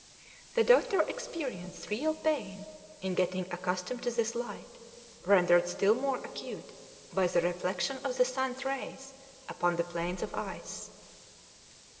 The doctor experienced real pain in getting accustomed to this light, rendered still more acute by the reflection of the sun's rays upon the plains of ice.